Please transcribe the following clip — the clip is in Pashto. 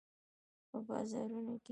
په بازارونو کې